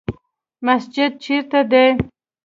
مسجد چیرته دی؟